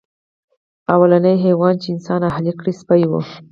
لومړنی حیوان چې انسان اهلي کړ سپی و.